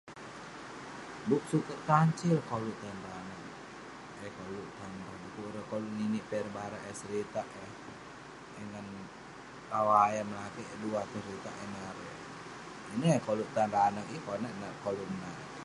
Bup suket kancil koluk tan ireh anag. Eh koluk tan ireh. Kuk ireh koluk ngeninik piak ireh barak, piak ireh seritak eh ngan rawah ayam lakeik duah tong seritak ineh erei. Ineh eh koluk tan ireh anag, yeng konak koluk menat eh.